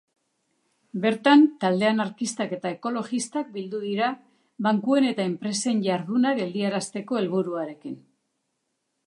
Bertan talde anarkistak eta ekologistak bildu dira bankuen eta enpresen jarduna geldiarazteko helburuarekin.